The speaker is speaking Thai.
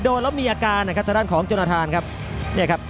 บอกว่าว่าถ้าเก่งใจคนแก่ไม่เก่งใจคนพ่อเลยครับ